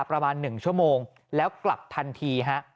ประมาณ๑ชั่วโมงแล้วกลับทันทีฮะ